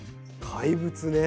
怪物ね。